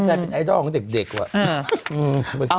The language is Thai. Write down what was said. ใช่เป็นไอดอลของเด็กว่ะ